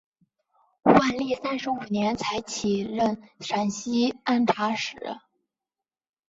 万历三十五年才起任陕西按察使。